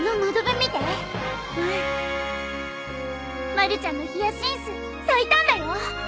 まるちゃんのヒヤシンス咲いたんだよ。